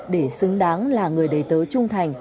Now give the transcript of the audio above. để xứng đáng là người đề tớ trung thành